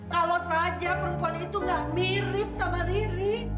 kalau saja perempuan itu gak mirip sama riri